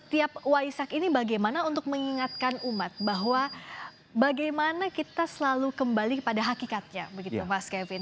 tiap waisak ini bagaimana untuk mengingatkan umat bahwa bagaimana kita selalu kembali kepada hakikatnya begitu mas kevin